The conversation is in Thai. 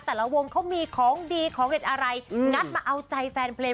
แต่ละวงเขามีของดีของเด็ดอะไรงัดมาเอาใจแฟนเพลง